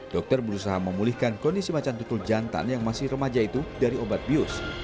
dokter berusaha memulihkan kondisi macan tutul jantan yang masih remaja itu dari obat bius